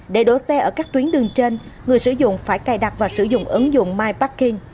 để đổ xe ở các tuyến đường trên người sử dụng phải cài đặt và sử dụng ứng dụng myparking